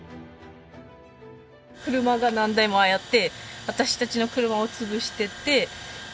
車が何台もああやって私たちの車を潰していって。